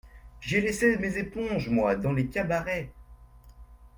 J’y ai laissé mes éponges, moi, dans les cabarets